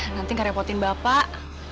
nanti kerepotin bapak